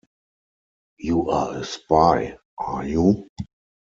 You're a spy, are you?